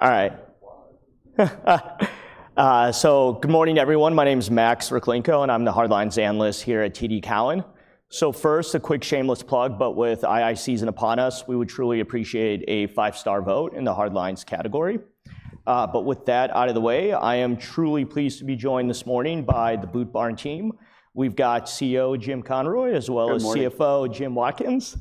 All right. So good morning, everyone. My name is Max Rakhlenko, and I'm the Hard Lines analyst here at TD Cowen. So first, a quick shameless plug, but with II season upon us, we would truly appreciate a five-star vote in the Hard Lines category. But with that out of the way, I am truly pleased to be joined this morning by the Boot Barn team. We've got CEO Jim Conroy, as well as- Good morning... CFO Jim Watkins.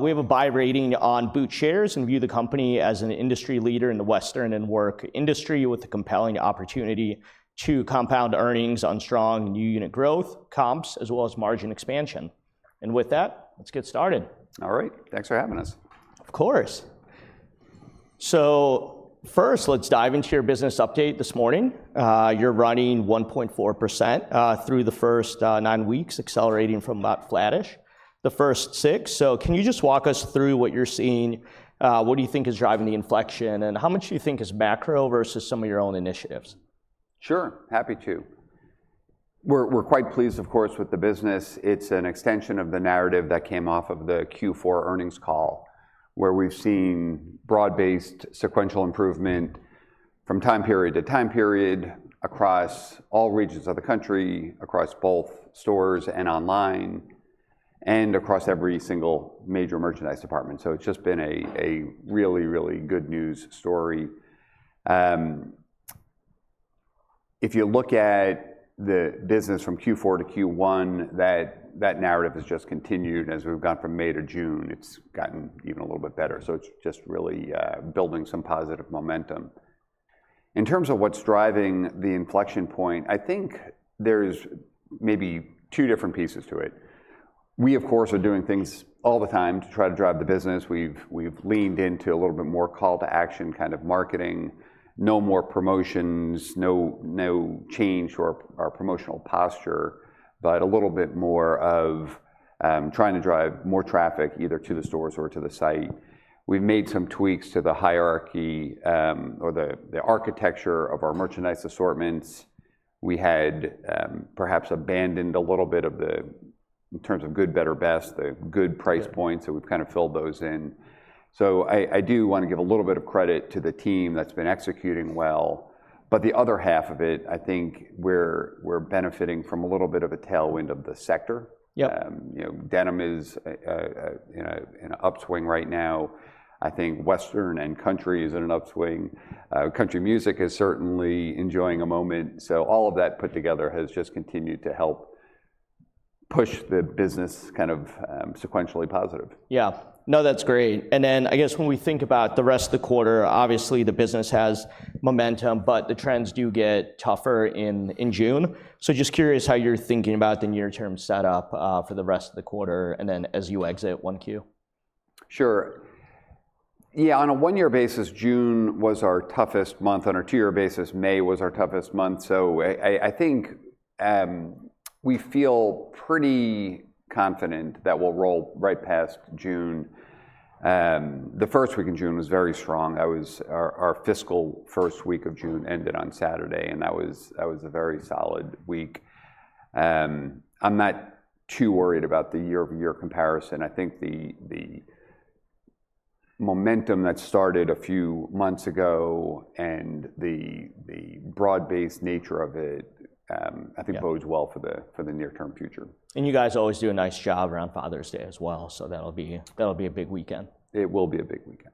We have a buy rating on Boot shares and view the company as an industry leader in the western and work industry with a compelling opportunity to compound earnings on strong new unit growth, comps, as well as margin expansion. With that, let's get started. All right, thanks for having us. Of course. So first, let's dive into your business update this morning. You're running 1.4% through the first nine weeks, accelerating from about flattish the first six. So can you just walk us through what you're seeing? What do you think is driving the inflection, and how much do you think is macro versus some of your own initiatives? Sure, happy to. We're, we're quite pleased, of course, with the business. It's an extension of the narrative that came off of the Q4 earnings call, where we've seen broad-based sequential improvement from time period to time period across all regions of the country, across both stores and online, and across every single major merchandise department. So it's just been a really, really good news story. If you look at the business from Q4 to Q1, that, that narrative has just continued as we've gone from May to June. It's gotten even a little bit better, so it's just really, building some positive momentum. In terms of what's driving the inflection point, I think there's maybe two different pieces to it. We, of course, are doing things all the time to try to drive the business. We've leaned into a little bit more call-to-action kind of marketing, no more promotions, no change to our promotional posture, but a little bit more of trying to drive more traffic either to the stores or to the site. We've made some tweaks to the hierarchy, or the architecture of our merchandise assortments. We had perhaps abandoned a little bit of the, in terms of good, better, best, the good price points- Yeah... so we've kind of filled those in. So I do want to give a little bit of credit to the team that's been executing well, but the other half of it, I think we're benefiting from a little bit of a tailwind of the sector. Yeah. You know, denim is, you know, in an upswing right now. I think western and country is in an upswing. Country music is certainly enjoying a moment, so all of that put together has just continued to help push the business kind of sequentially positive. Yeah. No, that's great, and then I guess when we think about the rest of the quarter, obviously, the business has momentum, but the trends do get tougher in June. So just curious how you're thinking about the near-term setup for the rest of the quarter, and then as you exit Q1? Sure. Yeah, on a one-year basis, June was our toughest month. On a two-year basis, May was our toughest month, so I think we feel pretty confident that we'll roll right past June. The first week in June was very strong. That was our fiscal first week of June ended on Saturday, and that was a very solid week. I'm not too worried about the year-over-year comparison. I think the momentum that started a few months ago and the broad-based nature of it. Yeah... I think bodes well for the near-term future. You guys always do a nice job around Father's Day as well, so that'll be, that'll be a big weekend. It will be a big weekend.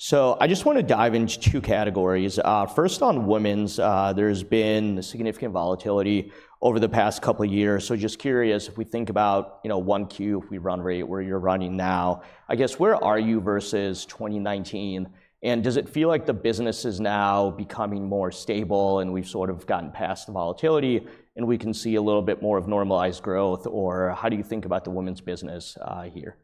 So I just want to dive into two categories. First, on women's, there's been significant volatility over the past couple of years, so just curious, if we think about, you know, 1Q run rate, where you're running now, I guess, where are you versus 2019? Does it feel like the business is now becoming more stable, and we've sort of gotten past the volatility, and we can see a little bit more of normalized growth, or how do you think about the women's business here?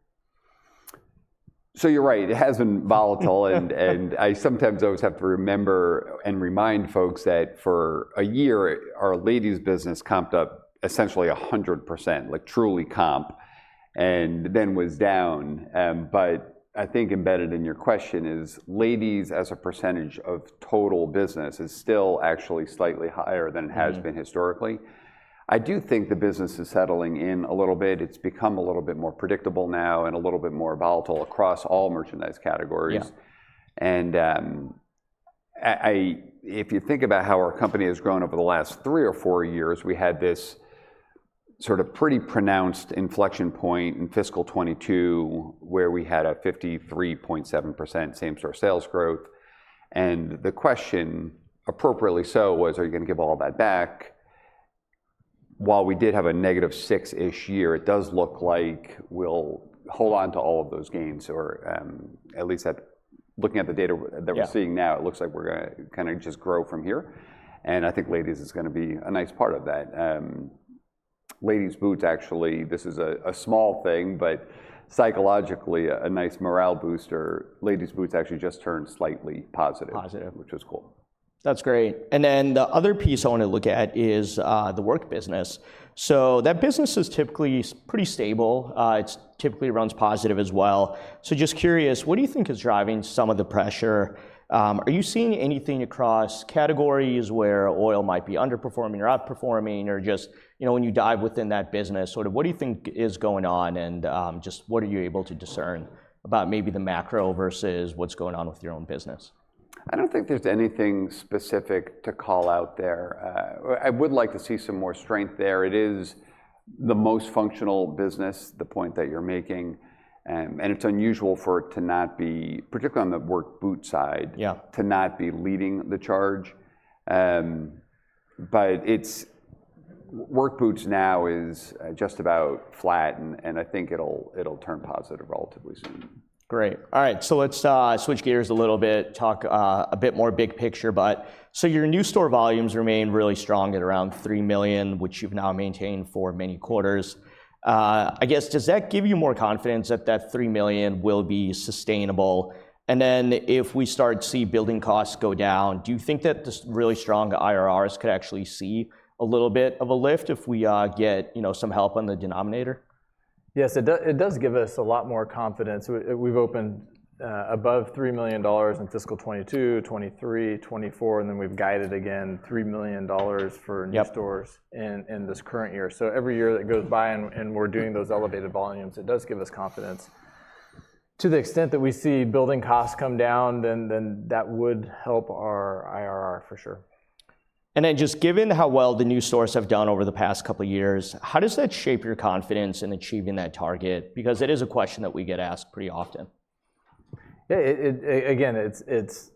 So you're right. It has been volatile and I sometimes always have to remember and remind folks that for a year, our ladies' business comped up essentially 100%, like, truly comp, and then was down. But I think embedded in your question is ladies as a percentage of total business is still actually slightly higher than- Mm-hmm... it has been historically. I do think the business is settling in a little bit. It's become a little bit more predictable now and a little bit more volatile across all merchandise categories. Yeah. And, if you think about how our company has grown over the last three or four years, we had this sort of pretty pronounced inflection point in fiscal 2022, where we had a 53.7% same store sales growth, and the question, appropriately so, was, "Are you gonna give all that back?" While we did have a negative 6-ish year, it does look like we'll hold on to all of those gains, or, at least that looking at the data- Yeah... that we're seeing now, it looks like we're gonna kind of just grow from here, and I think ladies is gonna be a nice part of that. Ladies boots, actually, this is a small thing, but psychologically a nice morale booster. Ladies boots actually just turned slightly positive- Positive... which is cool. That's great, and then the other piece I want to look at is, the work business. So that business is typically pretty stable. It's typically runs positive as well. So just curious, what do you think is driving some of the pressure? Are you seeing anything across categories where oil might be underperforming or outperforming or just, you know, when you dive within that business, sort of what do you think is going on, and, just what are you able to discern about maybe the macro versus what's going on with your own business?... I don't think there's anything specific to call out there. I would like to see some more strength there. It is the most functional business, the point that you're making, and it's unusual for it to not be, particularly on the work boot side- Yeah - to not be leading the charge. But it's... Work boots now is just about flat, and I think it'll turn positive relatively soon. Great. All right, so let's switch gears a little bit, talk a bit more big picture, but so your new store volumes remain really strong at around $3 million, which you've now maintained for many quarters. I guess, does that give you more confidence that that $3 million will be sustainable? And then if we start to see building costs go down, do you think that this really strong IRRs could actually see a little bit of a lift if we get, you know, some help on the denominator? Yes, it does give us a lot more confidence. We've opened above $3 million in fiscal 2022, 2023, 2024, and then we've guided again $3 million for new stores- Yep... in this current year. So every year that goes by and we're doing those elevated volumes, it does give us confidence. To the extent that we see building costs come down, then that would help our IRR for sure. And then just given how well the new stores have done over the past couple of years, how does that shape your confidence in achieving that target? Because it is a question that we get asked pretty often. Yeah, it again, it's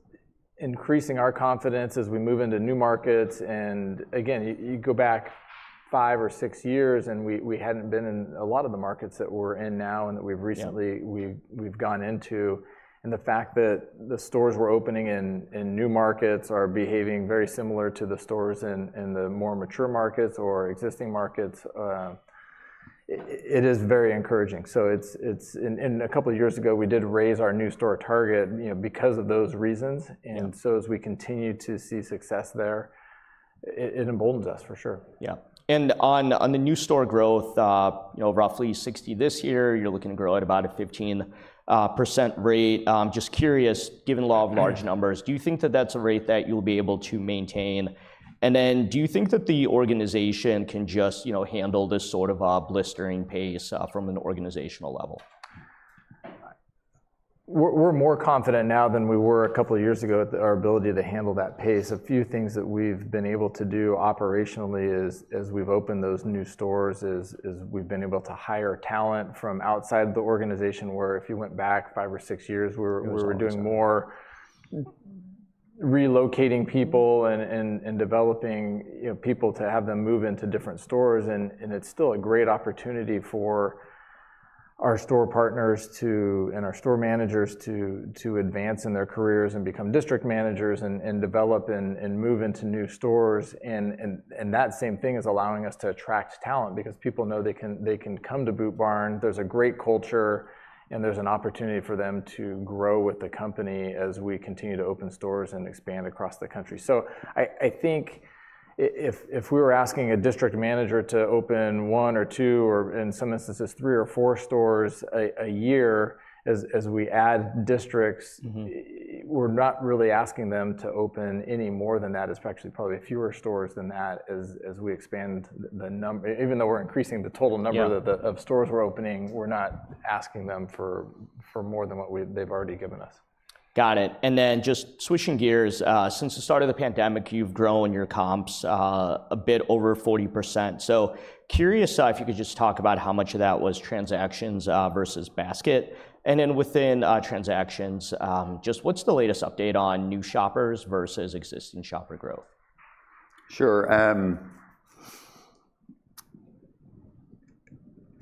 increasing our confidence as we move into new markets, and again, you go back five or six years, and we hadn't been in a lot of the markets that we're in now and that we've recently- Yeah... we've gone into, and the fact that the stores we're opening in new markets are behaving very similar to the stores in the more mature markets or existing markets, it is very encouraging. So it's... And a couple of years ago, we did raise our new store target, you know, because of those reasons. Yeah. So as we continue to see success there, it emboldens us for sure. Yeah, and on the new store growth, you know, roughly 60 this year, you're looking to grow at about a 15% rate. Just curious, given the law of large numbers- Mm-hmm... do you think that that's a rate that you'll be able to maintain? And then do you think that the organization can just, you know, handle this sort of a blistering pace from an organizational level? We're more confident now than we were a couple of years ago at our ability to handle that pace. A few things that we've been able to do operationally as we've opened those new stores is we've been able to hire talent from outside the organization, where if you went back five or six years, we were- It was all inside.... we were doing more relocating people and developing, you know, people to have them move into different stores. It's still a great opportunity for our store partners and our store managers to advance in their careers and become district managers and develop and move into new stores. That same thing is allowing us to attract talent because people know they can come to Boot Barn. There's a great culture, and there's an opportunity for them to grow with the company as we continue to open stores and expand across the country. So I think if we were asking a district manager to open one or two, or in some instances, three or four stores a year as we add districts- Mm-hmm ... we're not really asking them to open any more than that. It's actually probably fewer stores than that as we expand the number even though we're increasing the total number- Yeah... of the stores we're opening, we're not asking them for more than what they've already given us. Got it, and then just switching gears, since the start of the pandemic, you've grown your comps a bit over 40%. So curious, if you could just talk about how much of that was transactions versus basket, and then within transactions, just what's the latest update on new shoppers versus existing shopper growth? Sure,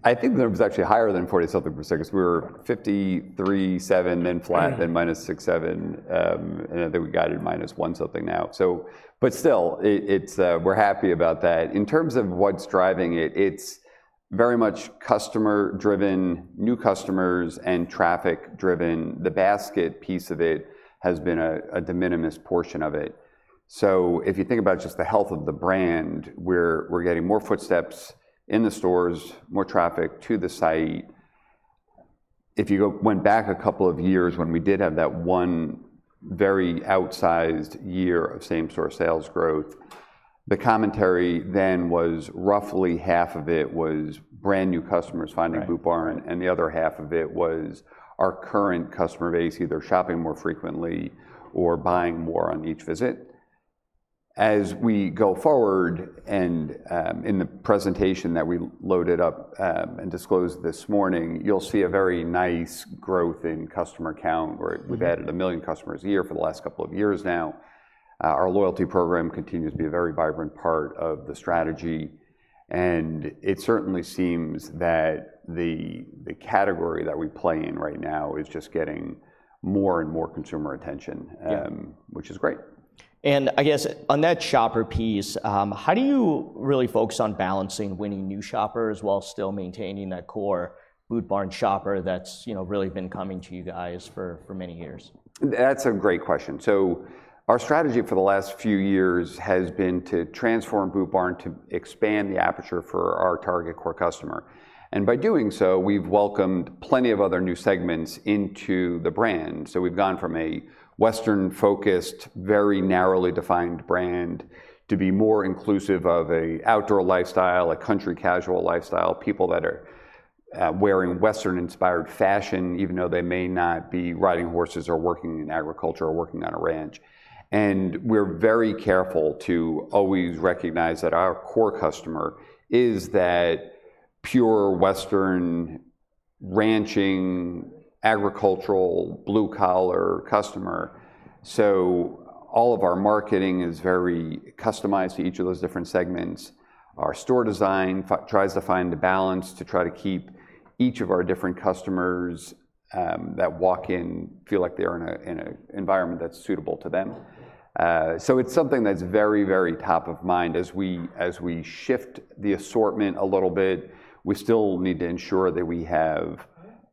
I think the number was actually higher than 40-something% because we were 53.7%, then flat- Right... then -6.7, and I think we guided -1 something now. So, but still, it's, we're happy about that. In terms of what's driving it, it's very much customer-driven, new customers and traffic-driven. The basket piece of it has been a de minimis portion of it. So if you think about just the health of the brand, we're getting more footsteps in the stores, more traffic to the site. If you went back a couple of years when we did have that one very outsized year of same store sales growth, the commentary then was roughly half of it was brand-new customers finding- Right... Boot Barn, and the other half of it was our current customer base either shopping more frequently or buying more on each visit. As we go forward, and, in the presentation that we loaded up, and disclosed this morning, you'll see a very nice growth in customer count, where- Mm... we've added 1 million customers a year for the last couple of years now. Our loyalty program continues to be a very vibrant part of the strategy, and it certainly seems that the category that we play in right now is just getting more and more consumer attention- Yeah... which is great. I guess on that shopper piece, how do you really focus on balancing winning new shoppers while still maintaining that core Boot Barn shopper that's, you know, really been coming to you guys for many years? That's a great question. So our strategy for the last few years has been to transform Boot Barn to expand the aperture for our target core customer, and by doing so, we've welcomed plenty of other new segments into the brand. So we've gone from a Western-focused, very narrowly defined brand to be more inclusive of a outdoor lifestyle, a country casual lifestyle, people that are wearing Western-inspired fashion, even though they may not be riding horses, or working in agriculture, or working on a ranch. And we're very careful to always recognize that our core customer is that pure Western ranching, agricultural, blue-collar customer. So all of our marketing is very customized to each of those different segments. Our store design tries to find a balance, to try to keep each of our different customers that walk in, feel like they are in a, in a environment that's suitable to them. So it's something that's very, very top of mind. As we, as we shift the assortment a little bit, we still need to ensure that we have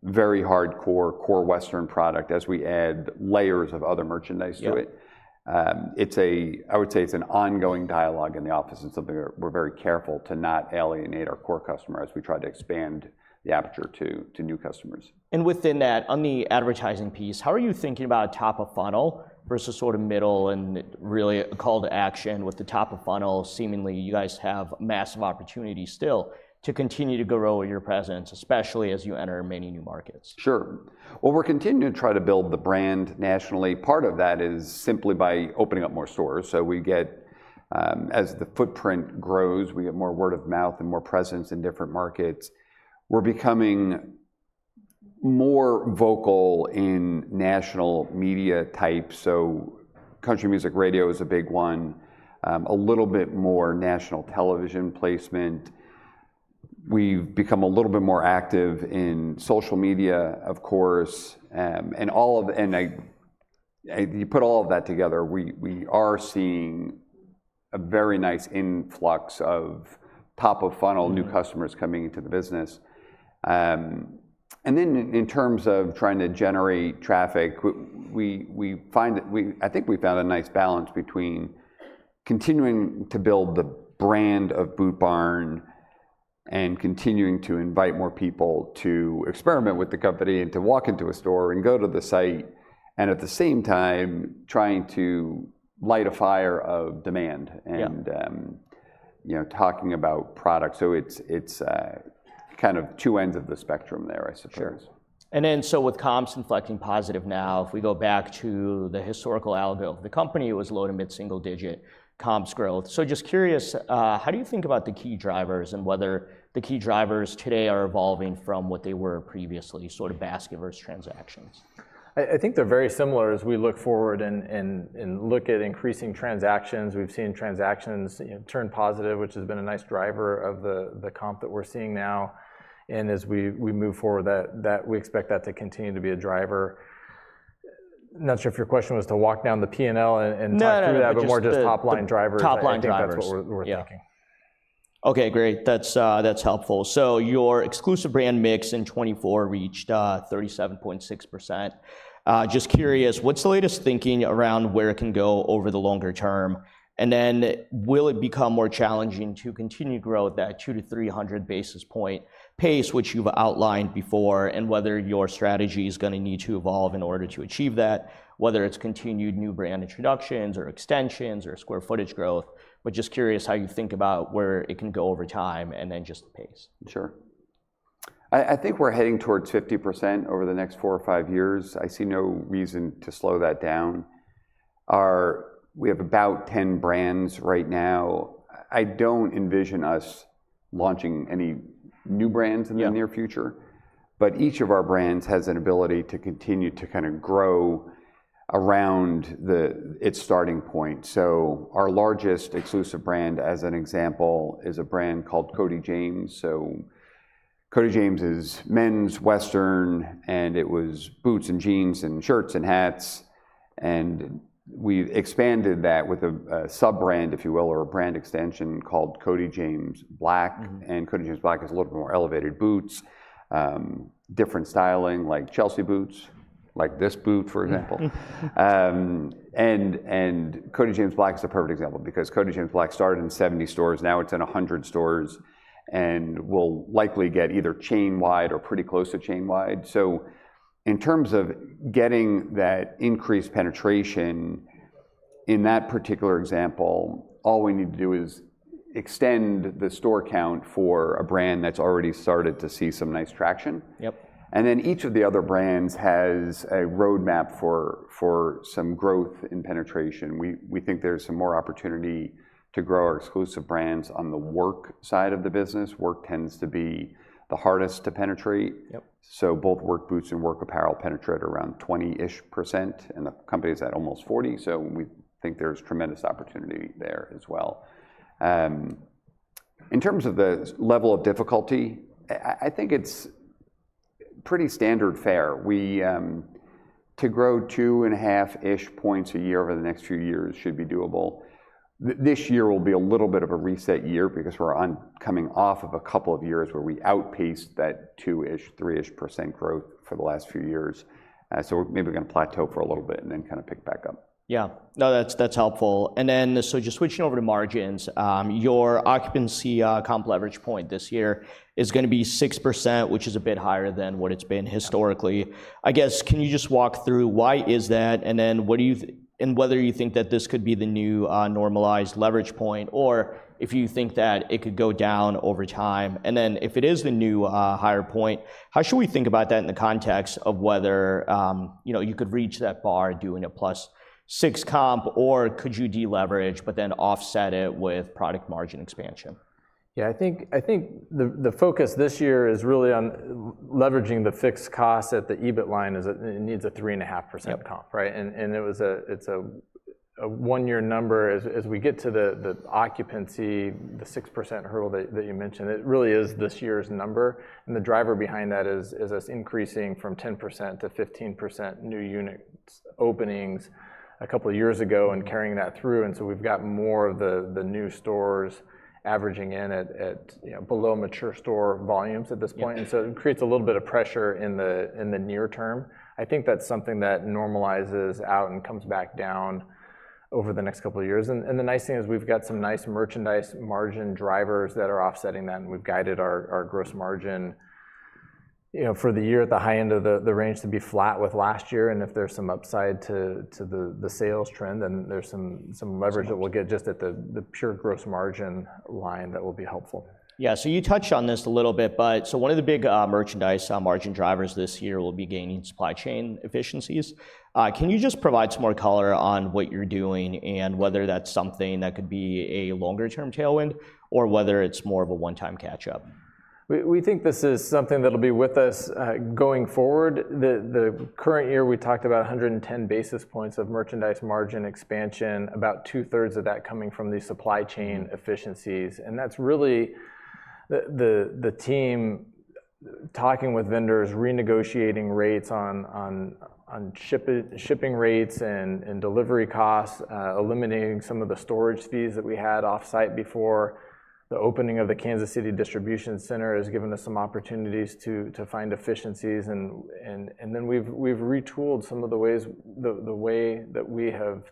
very hardcore core Western product, as we add layers of other merchandise to it. Yeah. It's, I would say, it's an ongoing dialogue in the office, and something we're very careful to not alienate our core customer, as we try to expand the aperture to new customers. Within that, on the advertising piece, how are you thinking about top-of-funnel versus sort of middle and really a call to action with the top-of-funnel? Seemingly, you guys have massive opportunity still to continue to grow your presence, especially as you enter many new markets. Sure. Well, we're continuing to try to build the brand nationally. Part of that is simply by opening up more stores, so we get... As the footprint grows, we get more word of mouth and more presence in different markets. We're becoming more vocal in national media types, so country music radio is a big one, a little bit more national television placement. We've become a little bit more active in social media, of course, and all of... you put all of that together, we are seeing a very nice influx of top-of-funnel- Mm... new customers coming into the business. And then in terms of trying to generate traffic, we find that we—I think we've found a nice balance between continuing to build the brand of Boot Barn and continuing to invite more people to experiment with the company, and to walk into a store, and go to the site, and at the same time, trying to light a fire of demand- Yeah... and, you know, talking about product. So it's kind of two ends of the spectrum there, I suppose. Sure. And then, so with comps inflecting positive now, if we go back to the historical algo, the company was low- to mid-single-digit comps growth. So just curious, how do you think about the key drivers and whether the key drivers today are evolving from what they were previously, sort of basket versus transactions? I think they're very similar. As we look forward and look at increasing transactions, we've seen transactions, you know, turn positive, which has been a nice driver of the comp that we're seeing now. And as we move forward, that. We expect that to continue to be a driver. Not sure if your question was to walk down the P&L and talk through that- No, no, no.... or more just top-line drivers? Top-line drivers. I think that's what we're thinking. Yeah. Okay, great, that's, that's helpful. So your exclusive brand mix in 2024 reached 37.6%. Just curious, what's the latest thinking around where it can go over the longer term? And then will it become more challenging to continue to grow at that 200-300 basis point pace, which you've outlined before, and whether your strategy is gonna need to evolve in order to achieve that, whether it's continued new brand introductions, or extensions, or square footage growth? But just curious how you think about where it can go over time, and then just the pace. Sure. I think we're heading towards 50% over the next four or five years. I see no reason to slow that down. We have about 10 brands right now. I don't envision us launching any new brands- Yeah... in the near future, but each of our brands has an ability to continue to kind of grow around its starting point. So our largest exclusive brand, as an example, is a brand called Cody James. So Cody James is men's Western, and it was boots, and jeans, and shirts, and hats, and we've expanded that with a sub-brand, if you will, or a brand extension called Cody James Black. Mm. And Cody James Black is a little more elevated boots, different styling, like Chelsea boots, like this boot, for example. And Cody James Black is a perfect example, because Cody James Black started in 70 stores, now it's in 100 stores and will likely get either chain-wide or pretty close to chain-wide. So in terms of getting that increased penetration, in that particular example, all we need to do is extend the store count for a brand that's already started to see some nice traction. Yep. And then each of the other brands has a roadmap for some growth in penetration. We think there's some more opportunity to grow our exclusive brands on the work side of the business. Work tends to be the hardest to penetrate. Yep. So both work boots and work apparel penetrate around 20-ish%, and the company's at almost 40, so we think there's tremendous opportunity there as well. In terms of the level of difficulty, I think it's pretty standard fare. To grow 2.5-ish points a year over the next few years should be doable. This year will be a little bit of a reset year, because we're coming off of a couple of years where we outpaced that 2-ish%-3-ish% growth for the last few years. So we're maybe gonna plateau for a little bit, and then kind of pick back up. Yeah. No, that's, that's helpful. And then, so just switching over to margins, your occupancy comp leverage point this year is gonna be 6%, which is a bit higher than what it's been historically. I guess, can you just walk through why is that, and then what do you and whether you think that this could be the new, normalized leverage point, or if you think that it could go down over time? And then, if it is the new, higher point, how should we think about that in the context of whether, you know, you could reach that bar doing a +6 comp, or could you de-leverage but then offset it with product margin expansion? Yeah, I think the focus this year is really on leveraging the fixed costs at the EBIT line. It needs a 3.5% comp- Yep Right? And it was, it's a one-year number as we get to the occupancy, the 6% hurdle that you mentioned. It really is this year's number, and the driver behind that is us increasing from 10% to 15% new units openings a couple of years ago- Yeah... and carrying that through, and so we've got more of the new stores averaging in at, you know, below mature store volumes at this point. Yeah. And so it creates a little bit of pressure in the near term. I think that's something that normalizes out and comes back down over the next couple of years. And the nice thing is we've got some nice merchandise margin drivers that are offsetting that, and we've guided our gross margin, you know, for the year at the high end of the range to be flat with last year. And if there's some upside to the sales trend, then there's some leverage- Some margin... that we'll get just at the pure gross margin line that will be helpful. Yeah, so you touched on this a little bit, but so one of the big merchandise margin drivers this year will be gaining supply chain efficiencies. Can you just provide some more color on what you're doing and whether that's something that could be a longer-term tailwind, or whether it's more of a one-time catch-up? We think this is something that'll be with us going forward. The current year, we talked about 110 basis points of merchandise margin expansion, about two-thirds of that coming from the supply chain efficiencies. And that's really the team talking with vendors, renegotiating rates on shipping rates and delivery costs, eliminating some of the storage fees that we had offsite before. The opening of the Kansas City Distribution Center has given us some opportunities to find efficiencies, and then we've retooled some of the ways... the way that we have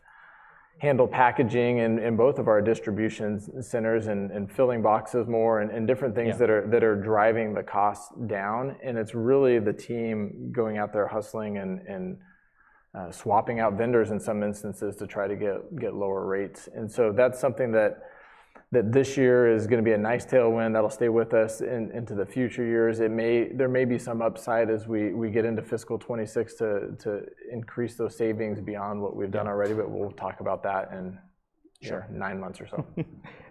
handled packaging in both of our distribution centers and filling boxes more and different things- Yeah ...that are driving the costs down, and it's really the team going out there hustling and swapping out vendors in some instances to try to get lower rates. And so that's something that this year is gonna be a nice tailwind that'll stay with us into the future years. There may be some upside as we get into fiscal 2026 to increase those savings beyond what we've done already- Yeah... but we'll talk about that in- Sure... nine months or so.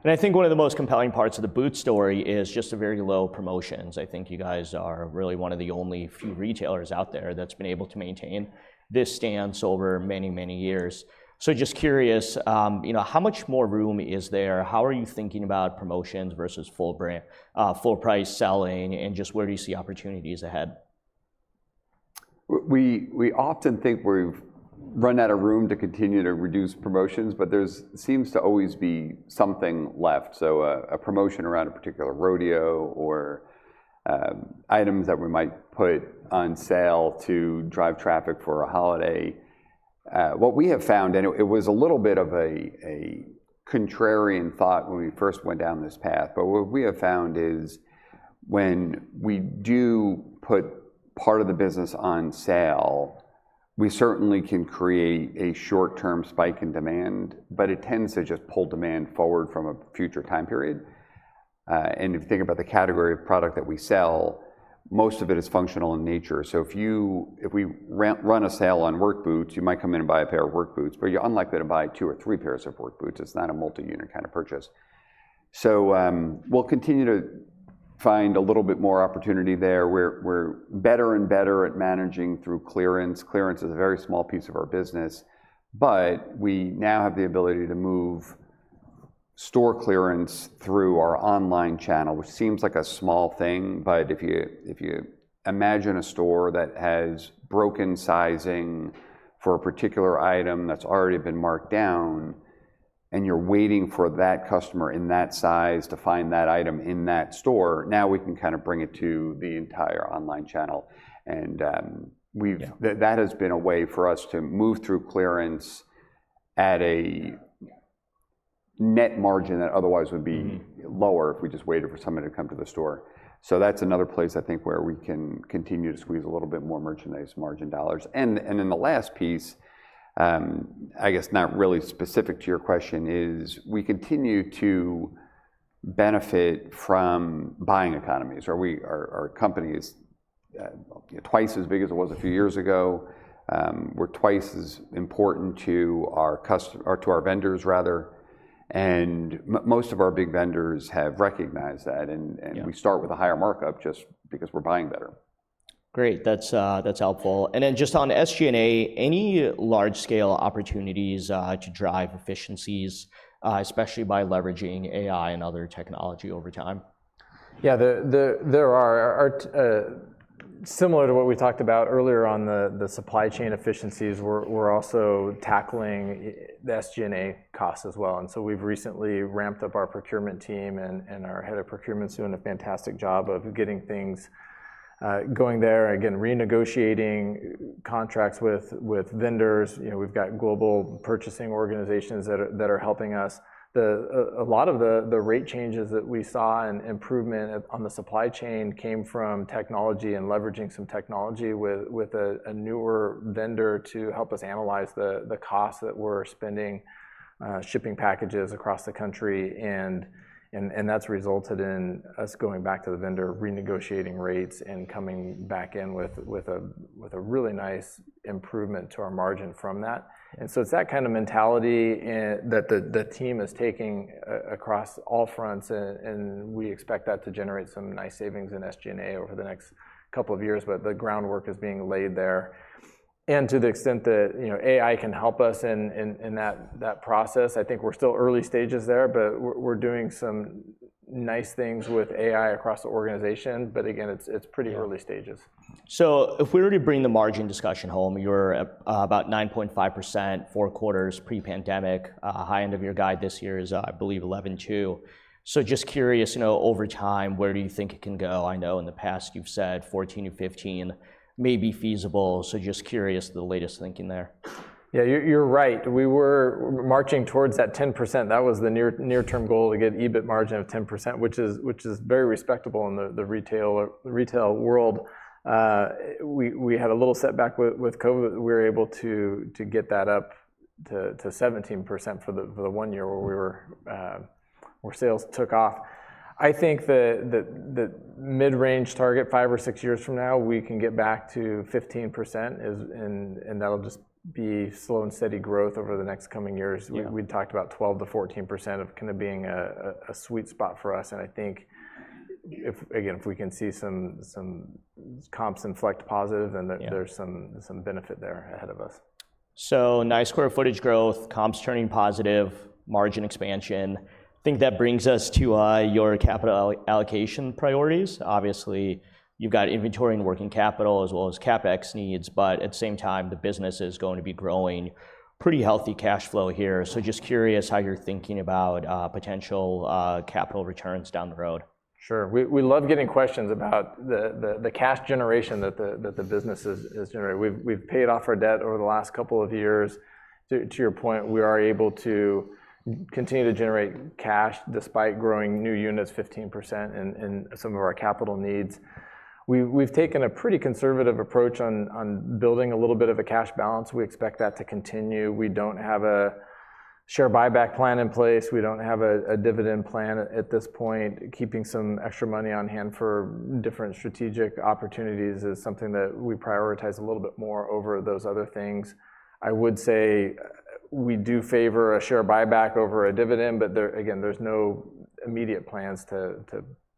I think one of the most compelling parts of the boot story is just the very low promotions. I think you guys are really one of the only few retailers out there that's been able to maintain this stance over many, many years. Just curious, you know, how much more room is there? How are you thinking about promotions versus full brand, full price selling, and just where do you see opportunities ahead? We often think we've run out of room to continue to reduce promotions, but there seems to always be something left, so a promotion around a particular rodeo or, items that we might put on sale to drive traffic for a holiday. What we have found, and it was a little bit of a contrarian thought when we first went down this path, but what we have found is, when we do put part of the business on sale, we certainly can create a short-term spike in demand, but it tends to just pull demand forward from a future time period. And if you think about the category of product that we sell, most of it is functional in nature. So if we run a sale on work boots, you might come in and buy a pair of work boots, but you're unlikely to buy two or three pairs of work boots. It's not a multi-unit kind of purchase. So, we'll continue to find a little bit more opportunity there. We're better and better at managing through clearance. Clearance is a very small piece of our business, but we now have the ability to move store clearance through our online channel, which seems like a small thing, but if you imagine a store that has broken sizing for a particular item that's already been marked down, and you're waiting for that customer in that size to find that item in that store, now we can kind of bring it to the entire online channel. And, we've- Yeah... that has been a way for us to move through clearance at a net margin that otherwise would be- Mm... lower if we just waited for somebody to come to the store. So that's another place, I think, where we can continue to squeeze a little bit more merchandise margin dollars. And then the last piece, I guess not really specific to your question, is we continue to benefit from buying economies, or we, our company is twice as big as it was a few years ago. We're twice as important to our customer or to our vendors, rather, and most of our big vendors have recognized that, and, and- Yeah... we start with a higher markup just because we're buying better. Great, that's, that's helpful. And then just on SG&A, any large-scale opportunities, to drive efficiencies, especially by leveraging AI and other technology over time? Yeah, there are similar to what we talked about earlier on the supply chain efficiencies. We're also tackling the SG&A costs as well, and so we've recently ramped up our procurement team, and our head of procurement's doing a fantastic job of getting things going there. Again, renegotiating contracts with vendors, you know, we've got global purchasing organizations that are helping us. A lot of the rate changes that we saw and improvement on the supply chain came from technology and leveraging some technology with a newer vendor to help us analyze the costs that we're spending shipping packages across the country, and that's resulted in us going back to the vendor, renegotiating rates, and coming back in with a really nice improvement to our margin from that. And so it's that kind of mentality and that the team is taking across all fronts, and we expect that to generate some nice savings in SG&A over the next couple of years, but the groundwork is being laid there. And to the extent that, you know, AI can help us in that process, I think we're still early stages there, but we're doing some nice things with AI across the organization. But again, it's pretty early stages. Yeah. So if we were to bring the margin discussion home, you're at about 9.5%, four quarters pre-pandemic. High end of your guide this year is, I believe, 11.2%. So just curious, you know, over time, where do you think it can go? I know in the past, you've said 14%-15% may be feasible, so just curious the latest thinking there. Yeah, you're right. We were marching towards that 10%. That was the near-term goal, to get EBIT margin of 10%, which is very respectable in the retail world. We had a little setback with COVID. We were able to get that up to 17% for the one year where we were where sales took off. I think the mid-range target, five or six years from now, we can get back to 15% is, and that'll just be slow and steady growth over the next coming years. Yeah. We talked about 12%-14% of kind of being a sweet spot for us, and I think, again, if we can see some comps inflect positive. Yeah... then there's some benefit there ahead of us. So nice square footage growth, comps turning positive, margin expansion. Think that brings us to your capital allocation priorities. Obviously, you've got inventory and working capital as well as CapEx needs, but at the same time, the business is going to be growing. Pretty healthy cash flow here, so just curious how you're thinking about potential capital returns down the road. Sure. We love getting questions about the cash generation that the business is generating. We've paid off our debt over the last couple of years. To your point, we are able to continue to generate cash despite growing new units 15% and some of our capital needs. We've taken a pretty conservative approach on building a little bit of a cash balance. We expect that to continue. We don't have a share buyback plan in place. We don't have a dividend plan at this point. Keeping some extra money on hand for different strategic opportunities is something that we prioritize a little bit more over those other things. I would say we do favor a share buyback over a dividend, but there again, there's no immediate plans to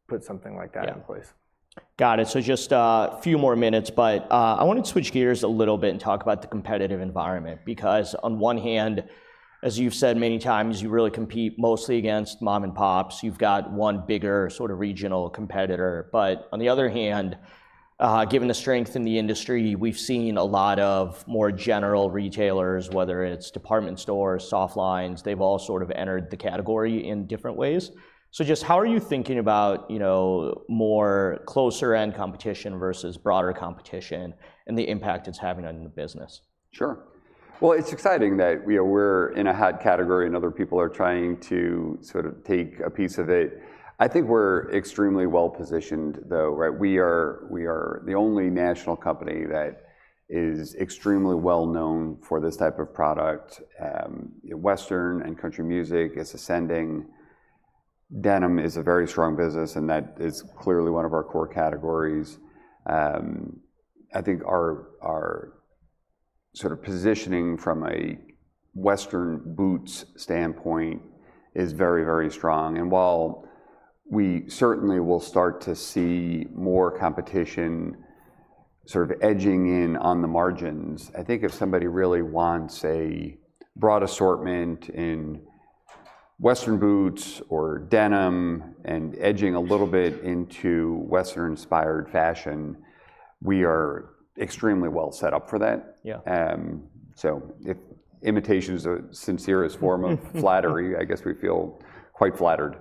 put something like that in place. Yeah. Got it. So just a few more minutes, but I wanted to switch gears a little bit and talk about the competitive environment, because on one hand, as you've said many times, you really compete mostly against mom and pops. You've got one bigger sort of regional competitor, but on the other hand, given the strength in the industry, we've seen a lot of more general retailers, whether it's department stores, soft lines, they've all sort of entered the category in different ways. So just how are you thinking about, you know, more closer end competition versus broader competition and the impact it's having on the business? Sure. Well, it's exciting that, you know, we're in a hot category and other people are trying to sort of take a piece of it. I think we're extremely well-positioned, though, right? We are, we are the only national company that is extremely well-known for this type of product. Western and country music is ascending. Denim is a very strong business, and that is clearly one of our core categories. I think our, our sort of positioning from a western boots standpoint is very, very strong, and while we certainly will start to see more competition sort of edging in on the margins, I think if somebody really wants a broad assortment in western boots or denim and edging a little bit into western-inspired fashion, we are extremely well set up for that. Yeah. So if imitation is the sincerest form of flattery... I guess we feel quite flattered.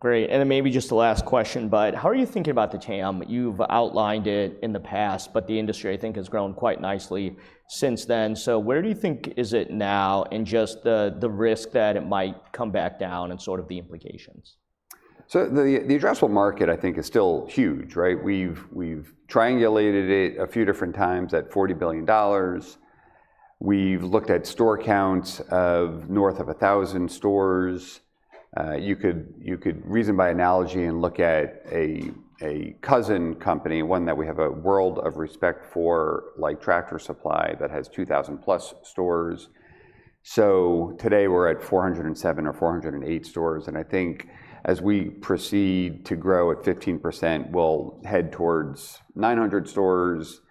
Great, and then maybe just a last question, but how are you thinking about the TAM? You've outlined it in the past, but the industry, I think, has grown quite nicely since then. So where do you think is it now, and just the, the risk that it might come back down and sort of the implications? So the addressable market, I think, is still huge, right? We've triangulated it a few different times at $40 billion. We've looked at store counts of north of 1,000 stores. You could reason by analogy and look at a cousin company, one that we have a world of respect for, like Tractor Supply, that has 2,000-plus stores. So today, we're at 407 or 408 stores, and I think as we proceed to grow at 15%, we'll head towards 900 stores.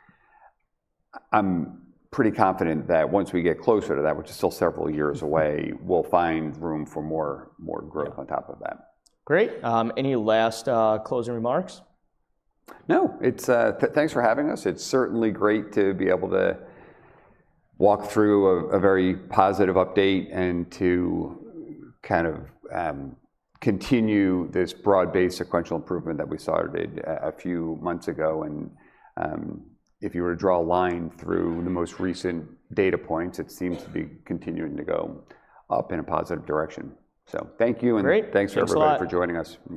I'm pretty confident that once we get closer to that, which is still several years away, we'll find room for more growth- Yeah... on top of that. Great. Any last closing remarks? No, it's, thanks for having us. It's certainly great to be able to walk through a very positive update and to kind of continue this broad-based sequential improvement that we started a few months ago, and if you were to draw a line through the most recent data points, it seems to be continuing to go up in a positive direction. So thank you- Great... and thanks, everyone. Thanks a lot.... for joining us today.